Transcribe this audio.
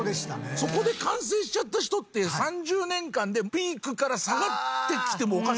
そこで完成しちゃった人って３０年間でピークから下がってきてもおかしくないじゃない。